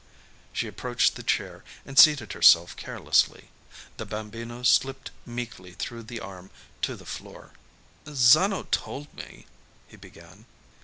She approached the chair and seated herself carelessly. The Bambino slipped meekly through the arm to the floor. "Zano told me" he began.